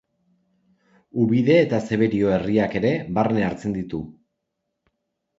Ubide eta Zeberio herriak ere barne hartzen ditu.